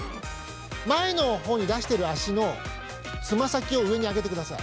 前のほうに出してる足のつま先を上に上げてください。